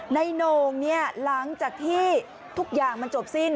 ในนงครัวนี้หลังจากที่ทุกอย่างมันจบสิ้น